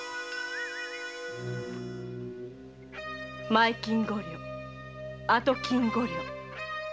前金五両後金五両。